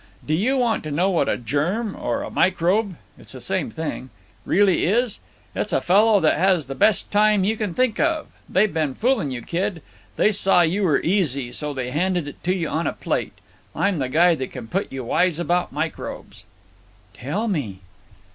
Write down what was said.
Do you want to know what a germ or a microbe—it's the same thing—really is? It's a fellow that has the best time you can think of. They've been fooling you, kid. They saw you were easy, so they handed it to you on a plate. I'm the guy that can put you wise about microbes." "Tell me."